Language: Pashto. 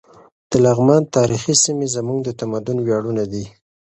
د لغمان تاریخي سیمې زموږ د تمدن ویاړونه دي.